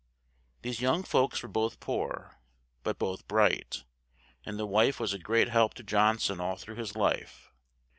These young folks were both poor, but both bright; and the wife was a great help to John son all through his life.